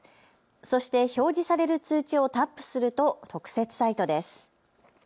そして表示される通知をタップすると特設サイトです。